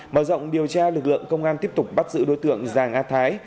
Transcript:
mở rộng điều tra lực lượng công an tiếp tục bắt giữ đối tượng giàng a thái